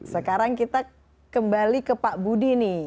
sekarang kita kembali ke pak budi nih